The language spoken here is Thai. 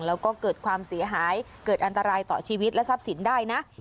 แล้วก็เกิดความเสียหายเกิดอันตรายต่อชีวิตและทรัพย์สินได้นะ